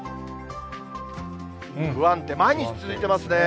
不安定、毎日続いてますね。